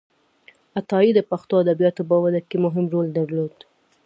عطایي د پښتو ادبياتو په وده کې مهم رول درلود.